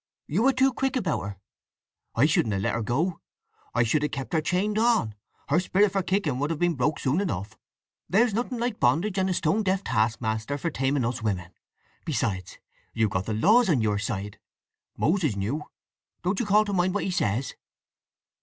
You were too quick about her. I shouldn't have let her go! I should have kept her chained on—her spirit for kicking would have been broke soon enough! There's nothing like bondage and a stone deaf taskmaster for taming us women. Besides, you've got the laws on your side. Moses knew. Don't you call to mind what he says?"